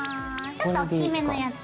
ちょっと大きめのやつ。